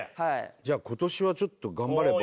じゃあ今年はちょっと頑張れば。